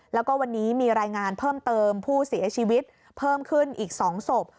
แล้วก็วันนี้มีรายงานเพิ่มเติมผู้เสียชีวิตเพิ่มขึ้นอีก๒ศพ